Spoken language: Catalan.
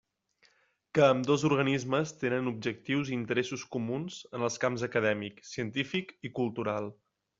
Que ambdós organismes tenen objectius i interessos comuns en els camps acadèmic, científic i cultural.